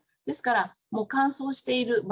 ですから乾燥している。